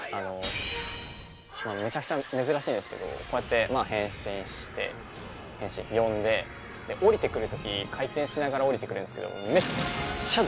めちゃくちゃ珍しいんですけどこうやって変身して呼んで降りてくる時回転しながら降りてくるんですけどめっちゃ壊すんですよ。